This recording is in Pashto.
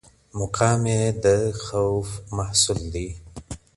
مقام یې د خوف محصول و